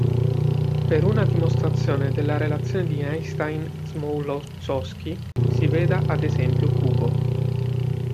Per una dimostrazione della relazione di Einstein-Smoluchowski si veda ad esempio Kubo.